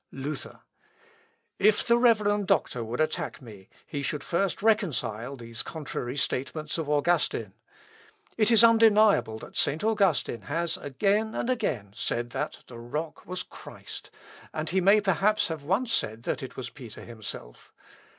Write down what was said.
Luther. "If the reverend doctor would attack me, he should first reconcile these contrary statements of Augustine. It is undeniable that St. Augustine has again and again said that the rock was Christ, and he may perhaps have once said that it was Peter himself.